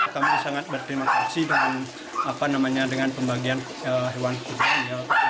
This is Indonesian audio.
kami sangat berterima kasih dengan pembagian hewan kurban